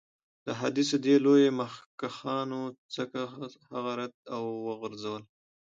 د احادیثو دې لویو مخکښانو ځکه هغه رد او وغورځول.